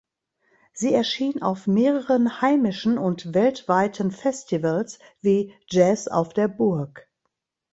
Sie erschien auf mehreren heimischen und weltweiten Festivals wie „Jazz auf der Burg“.